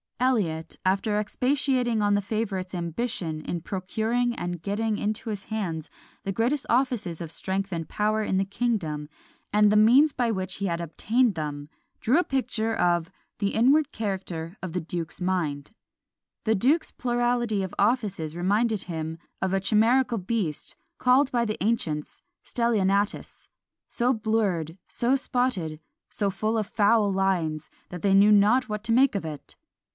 Eliot, after expatiating on the favourite's ambition in procuring and getting into his hands the greatest offices of strength and power in the kingdom, and the means by which he had obtained them, drew a picture of "the inward character of the duke's mind." The duke's plurality of offices reminded him "of a chimerical beast called by the ancients Stellionatus, so blurred, so spotted, so full of foul lines that they knew not what to make of it!